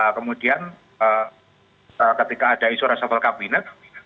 kemudian ketika ada isu resapel kabinet